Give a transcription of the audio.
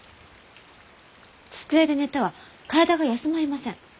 机で寝ては体が休まりません。